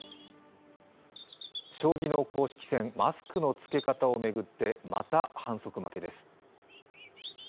将棋の公式戦、マスクの着け方を巡ってまた、反則負けです。